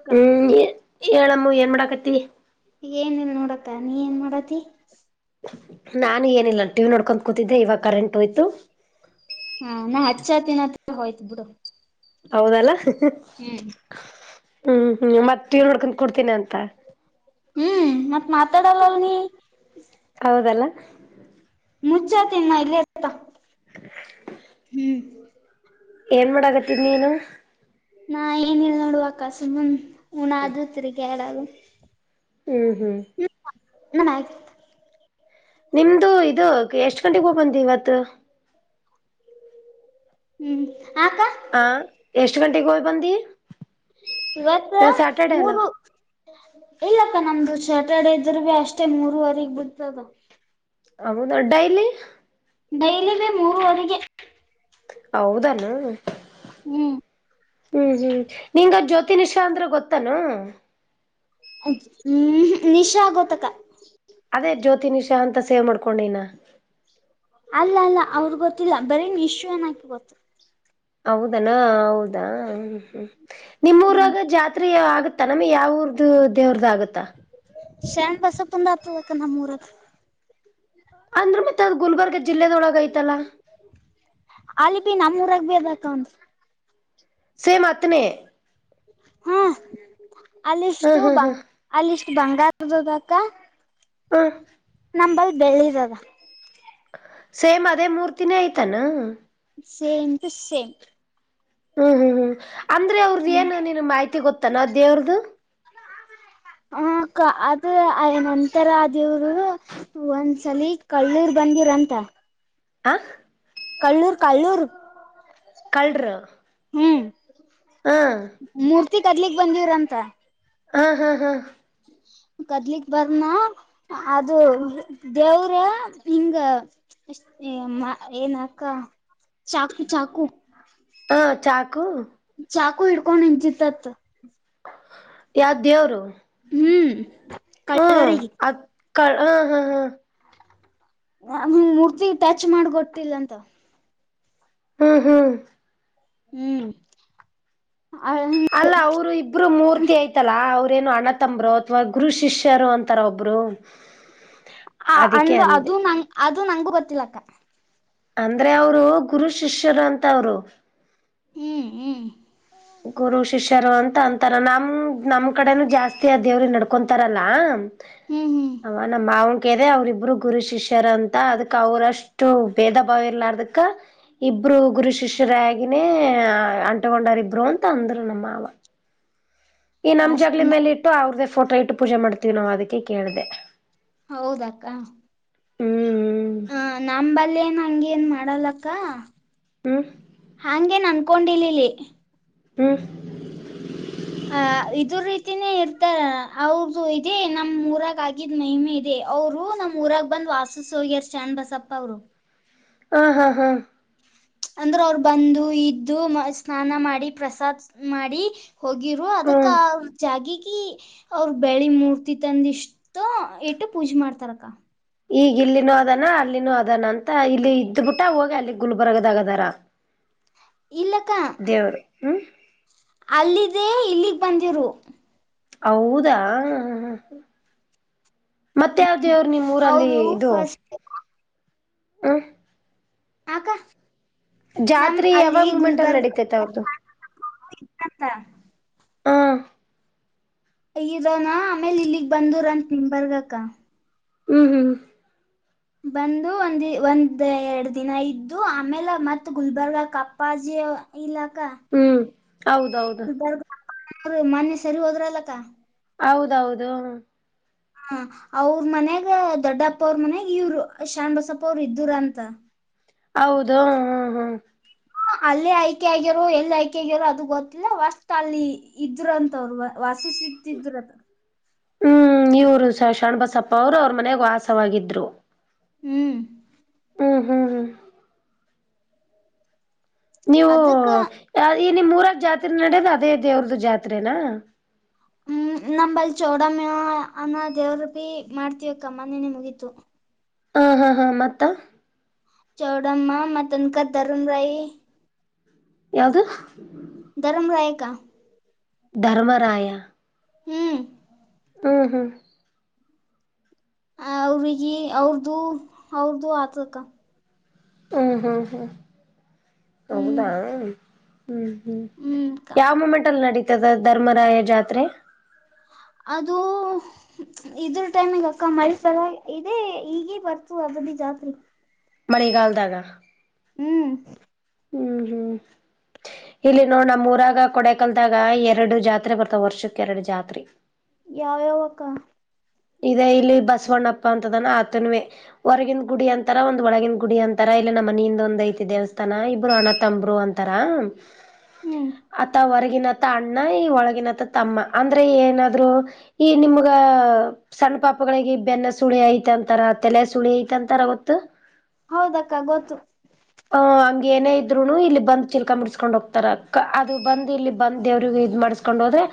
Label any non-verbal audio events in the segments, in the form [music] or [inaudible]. ಅಕ್ಕ ಹ್ಮ್ ಹೇಳ ಅಮ್ಮು ಏನು ಮಾಡಕತಿ. ಈ ಏನ ಇಲ್ಲಾ ನೋಡ ಅಕ್ಕಾ ನೀ ಏನ ಮಾಡಕತಿ. ನಾನು ಏನಿಲ್ಲ ಟಿವಿ ನೋಡಕೊತು ಕೂತಿದ್ದೆ ಇವಾಗ ಕರೆಂಟ್ ಹೋಯಿತು. ಹಾ ನಾ ಹಚ್ಚತೀನಿ ಅದಕೆ ಹೋಯಿತು ಬೀಡು. ಹೌದಲ್ಲ, ಹ್ಮ್ ಹ್ಮ್ ಮತ್ತ ಟಿ. ವಿ ನೋಡ್ಕೊಂಡ ಕುಡ್ತೀನ ಅಂತ. ಹ್ಮ್ ಮತ ಮಾತಾಡಲ್ಲಲ ನೀ. ಹೌದಲ್ಲ. ಮುಚ್ಚತೀನಿ ನಾ ಇಲ್ಲೇ ಇರತ. [inaudible] ಏನು ಮಾಡಕತಿದ್ದಿ ನೀನು. ನಾ ಏನಿಲ್ಲ ನೋಡುವ ಅಕಸು ಉಣದು ಆದೂ ತಿರಾಗ್ಯಡದು. ಹ್ಮ್ ಹ್ಮ್ ಹ್ಮ ನ. ನಿಮ್ದು ಇದು ಎಷ್ಟ ಗಂಟೆಗೆ ಹೋಗ ಬಂದಿ ಇವತ ಹ್ಮ್ ಹಾ ಅಕ್ಕಾ. ಹ ಎಷ್ಟು ಗಂಟೆಗೆ ಹೋಗ ಬಂದಿ. ಇವತ್ತ ಇವತ್ ಸ್ಯಾಟರ್ಡೆ ಅಲ್ಲ ಮೂರು ಇಲ್ಲ, ಅಕ್ಕಾ ನಮ್ದು ಸ್ಯಾಟರ್ಡೆ ಇದ್ದರ ಅಷ್ಟೇ ಮೂರವರೆಗಿ ಬಿಡ್ತದ. ಹೌದ ಡೈಲಿ. ಡೈಲಿ ನೇ ಮೂರವರಿಗೆ ಹೌದಾ ಅನ್. ಹ್ಮ್ ಹ್ಮ್ ಹ್ಮ್ ನಿಂಗ ಜ್ಯೋತಿ, ನಿಷಾ ಅಂದ್ರೆ ಗೊತ್ತೆನ. ಹ್ಮ್ ನಿಶಾ ಗೊತ್ತ ಅಕ್ಕಾ. ಅದೇ ಜ್ಯೋತಿ, ನಿಷಾ ಅಂತ ಸೇವ ಮಾಡ್ಕೊಂಡನಿ ನಾ. ಅಲ್ಲ ಅಲ್ಲ ಅವ್ರ ಗೊತ್ತಿಲ್ಲ ಬರೀ ನಿಶು ಅ ನಕಿ ಗೊತ್ತ. ಹೌದನಾ ಹೌದಾ ಹ್ಮ ಹ್ಮ್ ನಿಮ್ಮಊರಾಗ ಜಾತ್ರೆ ಆಗುತ್ತಾ ನಮಗೆ ಯಾವ ಊರ್ದು ದೇವ್ರ್ದ ಆಗುತ್ತಾ. ಶರಣಬಸಪ್ಪದು ಆತದ ಅಕ್ಕಾ ನಮ್ಮ ಊರಾಗ. ಅಂದ್ರೆ ಮತ್ತ ಅದ ಗುಲ್ಬರ್ಗ ಜಿಲ್ಲೆದೊಳಗ ಐತಿ ಅಲ್ಲಾ. ಅಲ್ಲಿ ಬಿ ನಮ್ಮಊರಗ ಬಿ ಅದ ಅಕ್ಕಾ. ಸೇಮ ಆತನೇ. ಹ್ಮ ಹ್ಮ್ ಅಲ್ಲಿಷ್ಟು ಹ್ಮ್ ಹ್ಮ್ ಬಂಗ ಅಲ್ಲಿಷ್ಟು ಬಂಗಾರದದಕ ಹ್ಮ ನಂಬಲ್ಲಿ ಬೆಳ್ಳಿದದ ಸೇಮ್ ಅದೇ ಮೂರ್ತಿನೇ ಆಐ್ತನ ಸೇಮ್ ಟು ಸೇಮ್ ಹ್ಮ್ ಹ್ಮ್ ಹ್ಮ್ ಅಂದ್ರೆ ಅವ್ರದ ಏನು ನಿನ್ ಮಾಹಿತಿ ಗೊತ್ತಾನ ದೇವ್ರ್ದ ಹ ಕ ಅದು ನಂತರ ದೇವರು ಅಷ್ಟು ಒಂದ್ಸಲ ಕಳ್ಳೂರು ಬಂದಿರಂತ ಆ ಕಲ್ಲೂರ್ ಕಲ್ಲೂರ್ ಕಲ್ರು ಹ್ಮ್ ಹಾ ಮೂರ್ತಿ ಕಡ್ಲಿಗ್ ಬಂದೀವ್ರಂತ ಹಾ ಹಾ ಹಾ ಕದ್ಲಿಕ್ ಬರ್ನ ಅದು ದೇವ್ರ ಹಿಂಗ. ಅಷ್ಟೇಮ್ಮ ಏನ ಅಕ್ಕ ಚಾಕು ಚಾಕು ಹಾ ಚಾಕು. ಚಾಕು ಹಿಡ್ಕೊಂಡ ನಿಂತಿತ್ತತ. ಯಾವ ದೇವರು, ಹ್ಮ್ ಹ್ಮ್ ಕಳ್ಳರಿಗೆ ಅ ಹ ಹಾ ಹಾ ನ ಮೂರ್ತಿ ಟಚ್ ಮಾಡಿ ಗೊಟ್ಟಿಲ್ಲ ಅಂತ. ಹ್ಮ ಹಾ ಹ್ಮ್ ಅಲ್ಲ ಅವರು ಇಬ್ಬರು ಮೂರ್ತಿ ಆಯ್ತಲ್ಲ ಅವ್ರೇನು ಅಣತಂಬರು ಅಥವಾ ಗುರು ಶಿಷ್ಯರು ಅಂತಾರ ಒಬ್ರು [inaudible] ಆ ಅದಕ್ಕೆ ಅಂದ್ರ ಅಂದೆ ಅದು ನಂಗ ಅದು ನಂಗಗೂ ಗೊತ್ತಿಲ್ಲ ಅಕ್ಕ ಅಂದ್ರೆ ಅವರು ಗುರು ಶಿಷ್ಯರು ಅಂತ ಅವರು ಹ್ಮ್ ಹ್ಮ್ ಗುರು ಶಿಷ್ಯರು ಅಂತ ಅಂತಾರ ನಮ ನಮ್ ಕಡೆನೂ ಜಾಸ್ತಿ ಆ ದೇವ್ರ ನಡ್ಕೊಂತಾರಲ್ಲ ಹ್ಮ್ ಹ್ಮ್ ಅವ ನಮ್ಮ ಮಾವನ ಕದೆ ಅವ್ರಿಬ್ರು ಗುರು ಶಿಷ್ಯರ ಅಂತ ಅದಕ್ ಅವ್ರಷ್ಟು ಎಷ್ಟು ಭೇದ ಭಾವ ಇಲದಕ್ಕ. ಇಬ್ರು ಗುರು ಶಿಷ್ಯರಗಿನೇ ಅಂಟಕೊಂಡಾರ ಇಬ್ರು ಅಂತ ಅಂದರು ನಮ್ಮವ ಈ ನಮ್ ಜಗ್ಗಳ ಅಷ್ಟ ಮೇಲೆ ಇಟ್ಟು ಅವ್ರದ್ದೇ ಫೋಟೋ ಇಟ್ಟು ಪೂಜೆ ಮಾಡ್ತೀವಿ ನಾವವು ಅದಕ್ಕೆ ಕೇಳ್ದ ಹೌದಾಕ್ಕ ಹ್ಮ್ ಹ ನಮಂಬಲ್ಲ ಏನ್ ಹಂಗೇನ್ ಮಾಡಲಕ್ಕ ಹ್ಮ ಹಂಗೇನ್ ಅನ್ಕೊಂಡಿಲಲಿ ಹ ಅ ಇದು ರೀತಿನೇ ಇರ್ತ ಅವದು ಇದೇ ನಮ್ ಊರಾಗ ಆಗಿದ್ ಮಹಮೆ ಇ ಇೇ ಅವ್ರು ನಮ್ ಊರಾಗ ಬಂದ್ ವಾಸು ಹೋಗ್ಯರ್ ಚನ್್ ಬಸಪ್ಪ ಅವರು ಹಾ ಹಾ ಹಾ ಅಂದ್ರೆ ಅವರು ಬಂದು ಇದ್ದು ಮ ಸ್ನಾನ ಮಾಡಿ ಪ್ರಸಾದ್ ಮಾಡಿ ಹೋಗಿರು ಹ್ಮ್ ಅದಕ್ಕ ಜಾಗಿಗ ಅವ್ರ ಬೆಳಿ ಮೂರ್ತಿ ತಂದ ಇಷ್ಟ ಇಟ್ಟು ಪೂಜೆ ಮಾಡ್ತಾರಕ್ಕ ಈಗ ಇಲ್ಲಿನೂ ಅದಾನ ಅಲ್ಲಿನೋ ಅದಾನ ಅಂತ ಇಲ್ಲಿ ಇದ್ದ್ಬಿಟ್ಟ ಹೋಗಿ ಅಲ್ಲಿ ಗುಲ್ಬರ್ಗದಗದಾರ ಹ ಇಲ್ಲಕ್ಕ ದೇವರು ಹ್ಞೂ ಅಲ್ಲಿದೆೇ ಇಲ್ಲಿಗ್ ಬಂದಿರು ಹೌದಾ ಮತ್ತ ಯಾವ್ದೇವರು ನಿಮ್ಮ್ ಊರಲ್ಲಿ ಅವರು ಇದು ಫಸ್ಟ್ ಹ ಆಗ ನಮ್ ಜಾತ್ರೆ ಅಲ್ಲಿ ಯಾವಾಗ ಮೂಮೆಂಟ್ ಅಲ್ಲಿ ಗುಲ್ಬರ್ಗ ನಡೀತೈತೆ ಅವ್ರ್ದು ಂತ [inaudible] ಹಾ ಯನಾ ಆಮೇಲೆ ಇಲ್ಲಿಗ್ ಬಂದರಂತತ್ ನಿಮ ಬರ್ಗಕ್ಕ ಹ್ಮ್ ಹ್ಮ್ ಬಂದು ಒಂದಿ ಒಂದ್ ಎರಡು ದಿನ ಇದ್ದು ಆಮೇಲೆ ಮತ್ ಗುಲ್ಬರ್ಗ ಪಾಜೆಯ ಇಲಖಾ ಹ್ಮ್ ಹೌದೌದು ಮೊೆ ಸರಿ ಹೋದ್ರಲ್ಲಕ್ಕ [inaudible] ಹೌದೌದು ಹ ಅವ್ರ ಮನ್ಯಾಗ ದೊಡ್ಡಪ್ಪ ಅವ್ರ ಮನ್ಯಾಗ ಇವರು ಶಾಣ್ ಬಸಪ್ಪ ಅವರು ಇದರ ಅಂತ ಹೌದು ಹ್ಮ್ ಹ್ಮ್ ಅಲ್ಲೇ ಆಯ್ಕೆ ಆಗ್ಯರೋ ಎಲ್ಲಿ ಆಯ್ಕೆ ಆಗಿರೋ ಅದು ಗೊತ್ತಿಲ್ಲ ವಸ್ಟ್ ಅಲ್ಲಿ ಇದ್ರು ಅಂತ ಅವ್ರು ವಾಸಿಸಿ ಿದ್ದರಲ್ಲ ಹ್ಮ್ ಇವರು ಸ ಶಾಣ್ಬಸಪ್ಪ ಅವ್ರು ಅವ್ರ ಮನೆಾಗ ವಾಸವಾಗಿದ್ರು ಹ್ಮ್ ಹ್ಮ್ ಹ್ಮ್ ಹ್ಮ್ ನೀವು ಅದಕ್ಕ ಈ ನಿಮ್ ಮೂರಾರ ಜಾತ್ರೆ ನಡದು ಅದೇ ದೇವ್ರದ ಜಾತ್ನಾ ಹ್ಮ್ ನಂಬಲ್ ಚೋಡಮ್ಮ ಅನ್ನೋ ದೇವ್ರ ಬಿಿ ಮಾಡ್ತವಕ್ಕಮ್ಮ ನನೆ ಮುಗೀತು ಹಾ ಹಾ ಹಾ ಮತ್ತ ಚೌಡಮ್ಮ ಮ ತನಕ ಧರ್ಮ ರಾಯಿ ಯಾವ್ದು ಧರ್ಮ ರಾಯಕ ಧರ್ಮರಾಯ ಹ್ಮ್ ಹ್ಮ ಹ್ಮ ಅವ್ರಿಗೆ ಅವ್ರದುು ಅವ್ರದುು ಆತದ ಅಕ್ಕ ಹ್ಮ್ ಹ್ಮ್ ಹ್ಮ್ ಹೌದ ಹ್ಮ್ ಹ್ಮ್ ಹ್ಮ್ ಯಾವ ಮೂೊಮೆಂಟ್ ಅಲ್ಲಿ ನಡೀತದ ಧರ್ಮರಾಯ ಜಾತ್ರೆ ಅದು ಇದ್ರ ಟೈಮಿಗೆ ಅಕ್ಕ ಮರಿತರ ಇದೇ ಈಗೇ ಬರ್ತು ಅದದ ಜಾತ್ರೆ ಮಳಗಾಲದಗ ಹ್ಮ್ ಹ್ಮ್ ಹ್ಮ್ ಇಲ್ಲಿ ನೋಡ ನಮ್ಮ್ ಮೂರಾಗ ಕೊಡೆ ಕಲ್ದಾಗ ಎರಡು ಜಾತ್ರೆ ಬರ್ತಾವ ವರ್ಷಕ್ಕೆ ಎರಡು ಜಾತ್ರೆ ಯಾವ ಯಾವಕ್ಕ ಇದೇ ಇಲ್ಲಿ ಬಸವಣ್ಣಪ್ಪ ಅಂತದಾನ ಆತನವೇ ಹೊರಗಿನ ಗುಡಿ ಅಂತಾರ ಒಂದ್ ಒಳಗಿನ ಗುಡಿ ಅಂತಾರ ಇಲ್ಲಿ ನಮ್ಮ ಮನಿಂದ ಒಂದ ಐತಿ ದೇವಸ್ಥಾನ ಇಬ್ರು ಅಣತಂಬರು ಅಂತ [unintelligible] ಹ್ಮ್ ಆತ ಹೊರಗಿನ ತ್ತ ಅಣ್ಣ ಈ ಒಳಗಿನತ್ತ ತಮ್ಮ ಅಂದ್ರೆ ಏನಾದ್ರು ಈ ನಿಮ್ಗ ಸಣ್ಣ ಪಾಪಗಳಿಗೆ ಬೆನ್ನ ಸುಳಿ ಐತಂತಾರ ತಲೆ ಸುಳಿ ಐತಂತಾರ ಅವತ್ತು ಹೌದಕ್ಕ ಗೊತ್ತು ಅ್ ಹಂಗ್ ಏನೇ ಇದ್ರುನು ಇಲ್ಲಿ ಬಂದ ಚಿಲ್ಕಾ ಮುಡಿಸಸ್ಕೊಂಡ್ ಹೋಗ್ತಾರ ಅದು ಬಂದ ಇಲ್ಲಿ ಬಂದ ದವ್ರ ಇ್ ಮಾಡ್ಸ್ಕೊಂಡ ಕೊಂಡ್ ಹೋದ್ರೆ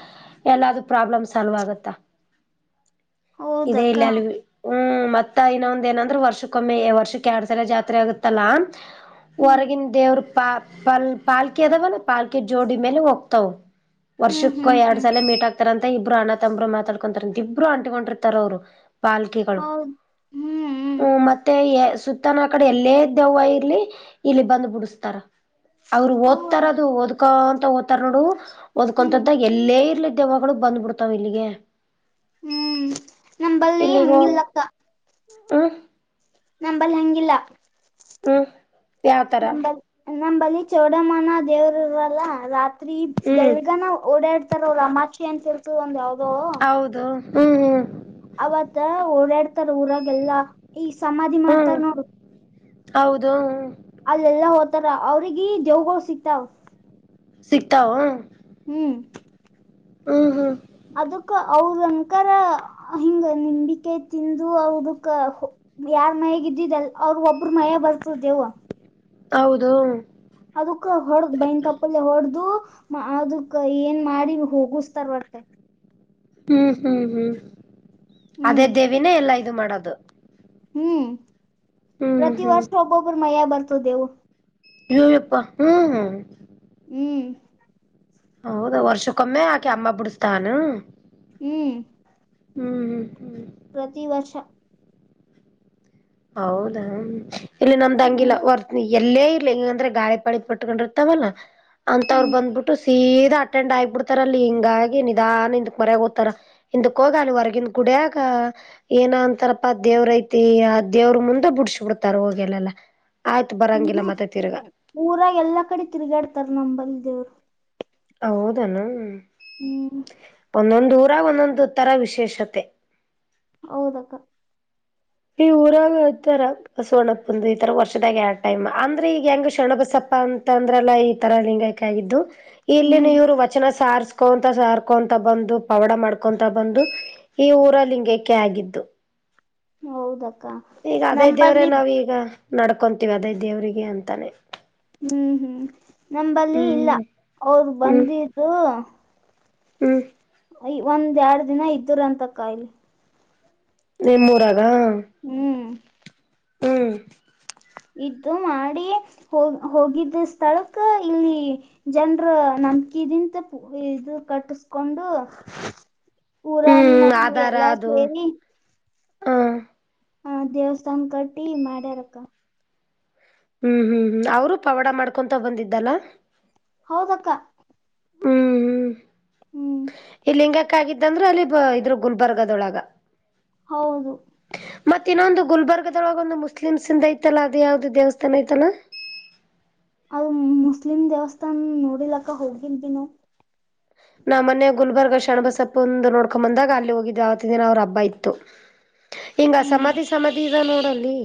ಎಲ್ಲಾದೂ ಪ್ರಾಬ್ಲಮ್ ಸಾಲ್ವ್ ಆಗುತ್ತ ಇದದೆೇ ಹೌದಕ್ಕ ಇಲ್ಲ ಅಲ್ಲಿ ಹ್ಮ್ ಮತ್ತ ಇನ್ನೊಂದ್ ನಂದ್ರರು ವರ್ಷಕ್ಕೊಮ್ಮೆ ವರ್ಷಕ್ ಎಡ್ ಸರ ಜಾತ್ರೆ ಆಗುತ್ತಲ್ಲಾ ಹ್ಮ್ ಹೊರಗಿನ ದೇವ್ರ ಪಾ ಪಾಲ್ ಪಾಲ್ಕಿ ಅದಾವ ನ ಪಾಲ್ಕಿ ಜೋಡಿ ಮೇಲೆ ಹೋಗ್ತಾವ ಹ್ಮ್ ವರ್ಷಕ್ಕೂ ಹ್ಮ್ ಎರಡ್ ಹ್ಮ್ ಸಾಲ ಮೀಟ್ ಆಗ್ತಾರಂತ ಇಬ್ಬರು ಅಣ್ಣ ತಂಬರು ಮಾತಾಡ್ಕೊಂತಾರಂತ ಇಬ್ರು ಅಂಟಕೊಂಡಿರ್ತಾರ ಅವ್ರು ಬಾಲ್ಕೆಗಳು ಹೌದ್ ಹ್ಮ್ [unintelligible] ಹ್ಮ್ ಮತ್ ಮತ್ತೆ ಸುತ್ತನ ಕಡೆ ಎಲ್ಲೇ ದೆವ್ವ ಇರ್ಲಿ ಇಲ್ಲಿ ಬಂದ್ ಬಿುಡಸ್ತಾರ ಅವರು ಓ ಓದ್ತಾರ ಅದು ಓದ್ಕೊಂತ ಓದ್ತಾರ ನೋಡು ಹ್ಮ್ ಓದ್ಕೊಂತದ್ದ ಎಲ್ಲೇ ಇರ್ಲಿ ದವ್ಳು ಬಂದ್ಬಿಡ್ತಾವ್ ಇಲ್ಲಿಗೆ ಹ್ಮ್ ನಂಬಲ್ಲಿ ಇಲ್ಲಿಗ ಹಂಗಿಲ್ಲಕ್ಕ ಹ್ಮ ನಂಬಲ್ಲ ಹಂಗಿಲ್ಲ [unintelligible] ಯಾವ ತರ ನ ನಂಬಲ್ಲಿ ಚೌಡಮ್ಮನ ದೇವರು ಇ್ರಲ್ಲ ರಾತ್ರಿ ಅತ್ೀ ಹ್ಮ್ ಬೆಳಗನ ಓಡಾಡ್ತಾರ ಅವ ರಾಮಾಕ್ಷಿ ಅಂತಳ್ತ ಒಂದ ಯಾವ್ದೋ ಹೌದು ಹ್ಮ್ ಹ್ಮ್ ಅವತ್ ಓಡಾಡ್ತಾರ ಊರಾಗ ಎಲ್ಲಾ ಈ ಸಮಾಧಿ ಮಾಡ್ತಾರ ಹ್ಮ್ ನೋಡ ಹೌದು [unintelligible] ಅಲ್ಲೆಲ್ಲಾ ಹೋ್ತಾರ ಅವ್ರಗ ದೇವು್ಗಳು ಸಿಕ್ತಾವ ಸಿಗ್ತವು ಹ್ಮ್ ಹ ಹಾ ಅದಕ್ಕ ಅವ್ರಂಕಾರರ ಹಿಂಗ ನಿಂಬಿಕೆ ತಿಂದು ಅವದಕ್ಕ ಯಾರ್ ಮಯಗ ಇದ್ದಿದಲ್ ಅವ್ರ ಒಬ್ರು ಮಯ ಬರ್ತರು ದೇವ ಹೌದು ಅದಕ್ಕ ಹೊಡದ ಬೈನ್ ತಪ್ಪಲ್ಲ ಹೊಡ್ದು ಅದಕ್ಕ ಏನ್ ಮಾಡಿ ಹೋಗಸ್ತಾರವಟ್ಟೆ ಹ್ಮ್ ಹ್ಮ್ ಹ್ಮ್ ಅದೇ ಹ್ಮ್ ದೇವಿನೇ ಎಲ್ಲಾ ಇದು ಮಾಡೋದು ಹ್ಮ್ ಹ್ಮ್ ಪ್ರತಿ ಹ್ಮ್ ವರ್ಷಪೋಪ ಮಯ್ಯ ಬರ್ತ ದವ ನೀವ್ಯಪ್ಪ ಹ್ಮ್ ಹ್ಮ್ ಹ್ಮ ಹೌದು ವರ್ಷಕ್ಕೊಮ್ಮೆ ಆಕೆ ಅಂಮಾ ಬಿಡಸ್ತಾನ ಹ್ಮ್ ಹ್ಮ್ ಹ್ಮ್ ಹ್ಮ್ ಪ್ರತಿವರ್ಷ ಹೌದಾ ಇಲ್ಲಿ ನಮ್ದಂಗಿಲ್ಲ ಹ್ಮ್ ವರ್ತನಿ ಎಲ್ಲೇ ಇಲ್ಲ ಹಿಂಗಂದ್ರೆ ಗಾಳಿ ಪಾಳಿ ಪಟ್ಕೊಂಡಿರ್ತಾವಲ್ಲ ಅಂತ ಅವ್ರರು ಹ್ಮ್ ಬಂದ್ಬಿಟ್ಟು ಸೀದ ಅಟೆಂಡ್ ಆಗಿಬಿಡ್ತಾರಲ್ಲಿ ಹಿಂಗಾಗಿ ನಿಧಾ ನಿಂದಕ್ ಮರಯಾಗ ಓತಾರ ಹಿಂದಕ್ ಹೋಗಾಲ ಹೊರಗಿಂದ ಗುಡಿಯಾಗ ಏನ ಅಂತಾರಪ್ಪ ದೇವ್ರಐತಿ ಅ ದೇವ್ರರು ಮುಂದೆ ಬಿಡ್ಸ ಬಿಡ್ತಾರ ಹೋಗಲ್ಲಾ ಆಯ್ತು ಬರಂಗಿಲ್ಲ ಮತ್ತೆ ತಿರ್ಗ ಊರ ಎಲ್ಲಾ ಕಡೆ ತಿರುಗಾಡ್ತಾರ ನಮಂಬಲ್ಲಿ ದೇವ್ರು ಹೌದನು ಹ್ಮ್ ಒಂದೊಂದು ಊರ ಒಂದೊಂದು ತರ ವಿಶೇಷತೆ ಹೌದಕ್ಕ ಈ ಊರಾಗ ಇತರ ಬಸವಣಪ್ಪಂದ ಈತರ ವರ್ಷದಾಗ ಆ ಟೈಮ್ ಅಂದ್ರೆ ಈಗ ಹೆಂಗ ಶಣಬಸಪ್ಪ ಅಂತ ಅಂದ್ರಲ್ಲ ಈ ತರ ಲಿಂಗಾಯಕ ಆಗಿದ್ದು ಇಲ್ಲಿ ಹ್ಮ್ ಇವ್ರು ವಚನ ಸ ಕೊಂತ ಸಾರ್ಕೊಂತ ಬಂದು ಪವಡ ಮಾಡ್ಕೊಂತ ಬಂದು ಈ ಊರ ಲಿಂಗಕ್ಕೆ ಆಗಿದ್ದು. ಹೌದಕ್ಕಾ. ಈಗ ಅದೇ ದೇವ್ರೇ ನಾವ ಈಗ ನಡ್ಕೊಂತೀವಿ ಅದೇ ದೇವ್ರಿಗೆ ಅಂತಾನೆ. ಹ್ಮ್ ಹ್ಮ್ ನಂಬಲ್ಲಿ ಇಲ್ಲ ಹ್ಮ್ ಅವರು ಹ್ಮ್ ಬಂದಿದ್ದು. ಹ್ಮ್. ಅಯ ಒಂದ್ ಎರಡ್ ದಿನ ಇದ್ದರ ಅಂತ ಕಾಯಲಿ. ನಿಮ್ಮೂರಗ. ಹ್ಮ್. ಹ್ಮ್. ಇದ್ದು ಮಾಡಿ ಹೋಗ ಹೋಗಿದ್ದ ಸ್ಥಳಕ್ ಇಲ್ಲಿ. ಜನ್ರ ನಂಬಕಿದಿಂತ ಇದು ಕಟ್ಟಸ್ಕೊಂಡು. [inaudible] ಪೂರಾನ್ ಹ್ಮ್ ನಂದಿ ಎಲ್ಲಾ ಸೇರಿ. ಹಾ. ಹಾ ದೇವಸ್ಥಾನ ಕಟ್ಟಿ ಮಾಡ್ಯಾರಕ್ಕ. ಹ್ಮ್ ಹ್ಮ್ ಹ್ಮ್ ಅವ್ರು ಪವಾಡ ಮಾಡ್ಕೊಂತ ಬಂದಿದ್ದಲ್ಲಾ. ಹೌದಕ್ಕ. ಹ್ಮ್ ಹ್ಮ್ ಹ್ಮ್ ಇಲಿಂಗಕ್ಕ ಆಗಿದ್ದಂದ್ರೆ ಅಲ್ಲಿ ಬ ಇದ್ರ ಗುಲ್ಬರ್ಗದೊಳಗ. ಹೌದು. ಮತ್ತ ಇನ್ನೊ ಒಂದು ಗುಲ್ಬರ್ಗದೊಳ ಒಂದು ಮುಸ್ಲಿಮ್ಸ್ ಇಂದ ಐತಲ್ಲ ಅದ ಯಾವ್ದ್ ದೇವಸ್ಥಾನ ಐತಲ್ಲಾ. ಅದ ಮುಸ್ಲಿಂ ದೇವಸ್ಥಾನ್ ನೋಡಿಲಕ್ಕ ಹೋಗಿದನು. ನಾ ಮನ್ನೇ ಗುಲ್ಬರ್ಗ ಶಷಣಬಸಪ್ಪಂದು ನೋಡ್ಕೊಂಡ್ ಬಂದಾಗ ಅಲ್ಲಿ ಹೋಗಿದೆ ಅವತ್ತ ದಿನ ಅವ್ರ ಹಬ್ಬ ಇತ್ತು. ಹಿಂಗ ಹ್ಮ್ ಸಮಾಧಿ ಸಮಾಧಿ ಇದ ನೋಡಲ್ಲಿ.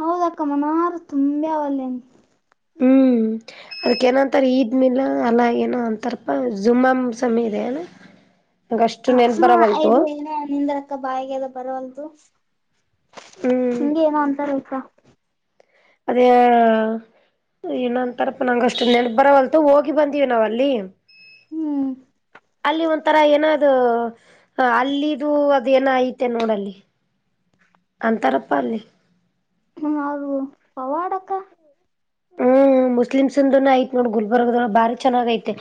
ಹೌದ ಅಕ್ಕ ಮನಾರ ತುಂಬೆ ಅವಲ್ಲನ್. ಹ್ಮ್. ಅದಕ್ಕೆೇನಂತಾರೆ ಈದ್ ಮಿಲಾದ್ ಅಲ್ಲ ಏನೋ ಅಂತಾರಪ್ಪ ಝುಮಾಮ್ ಮಸೀದಿ ಏನ. ಹ. ಹಾ ಇದು ಏನು ನಿಂದ್ರ. ಗ ಬಾಯಿಗೆದ ಬರಲ್ದು ಹ್ಮ್ ಹಿಂಗ ಏನೋ ಅಂತಾರ ಅಂತ. ಅದೇ ಏನಂತಾರಪ್ಪ ನಂಗಷ್ಟು ನೆನಪ ಬರವಲ್ತ ಹೋಗಿ ಬಂದಿವಿ ನಾವ ಅಲ್ಲಿ. ಹ್ಮ್. ಅಲ್ಲಿ ಒಂಥರ ಏನದು ಅಲ್ಲಿದು ಅದು ಏನ ಐತೆ ನೋಡಲ್ಲಿ. ಅಂತರಪ್ಪ ಅಲ್ಲಿ. ಹ್ಮ ಅದು ಪವಾಡಕ್ಕ. ಹ್ಮ್ ಮುಸ್ಲಿಮ್ಸ್ಂದ ಆಯ್ತ್ ನೋಡ್ ಗುಲ್ಬರ್ಗದ ಬಾರಿ ಚೆನ್ನಾಗ ಐತೆ.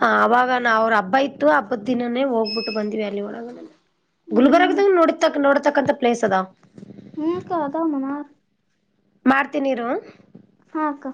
ಹ ಅವಾಗಾ ಅವ್ರ ಹಬ್ಬ ಇತ್ತು ಹಬ್ಬದ ದಿನನೇ ಹೋಗ್ಬಿಟ್ಟು ಬಂದಿವವಿ ಅಲ್ಲಿ ಒಳಗ. ಗುಲ್ಬರ್ಗ್ ಹ್ಮ್ ದಾಗ ನೋಡತ ನೋಡತಕ್ಕಂತ ಪ್ಲೇಸ್ ಅದಾ. ಹ್ಮ ಕ ಅದ ಮನಾರ್. ಮಾಡ್ತೀನಿರು. ಹಾ ಅಕ್ಕ.